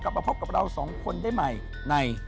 ขอบคุณครับ